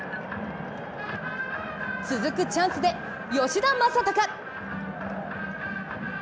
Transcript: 続くチャンスで吉田正尚。